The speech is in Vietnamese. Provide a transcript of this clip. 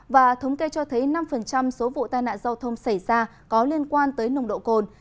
và thống kê cho thấy năm số vụ tai nạn giao thông xảy ra có liên quan tới nồng độ cồn